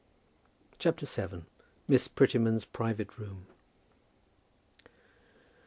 CHAPTER VII. MISS PRETTYMAN'S PRIVATE ROOM.